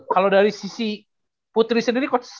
kalau dari sisi putri sendiri coach